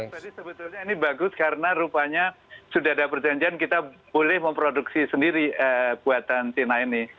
jadi sebetulnya ini bagus karena rupanya sudah ada perjanjian kita boleh memproduksi sendiri kuatan tina ini